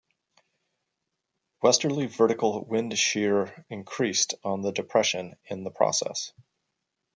Westerly vertical wind shear increased on the depression in the process.